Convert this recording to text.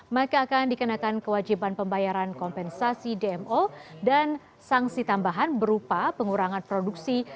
maka akan dikenakan kewajiban pembayaran kompensasi dmo dan sanksi tambahan berupa pengurangan produksi